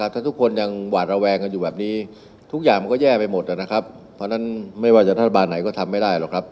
ถ้าทุกคนยังหว่าแหลวงไปอยู่แบบนี้ทุกอย่างก็แย่ไปหมด